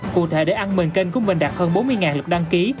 cụ thể để ăn mềm kênh của mình đạt hơn bốn mươi lượt đăng ký